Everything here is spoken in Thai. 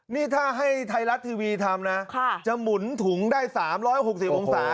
นี่ถ้าให้ไทยรัฐทีวีทำนะจะหมุนถุงได้๓๖๐องศา